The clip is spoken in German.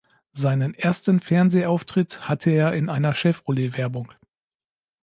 Seinen ersten Fernsehauftritt hatte er in einer Chevrolet-Werbung.